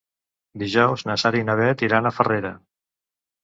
Dijous na Sara i na Bet iran a Farrera.